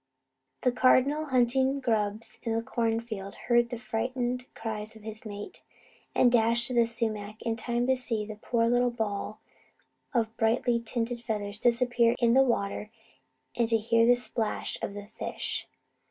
The Cardinal, hunting grubs in the corn field, heard the frightened cries of his mate, and dashed to the sumac in time to see the poor little ball of brightly tinted feathers disappear in the water and to hear the splash of the fish.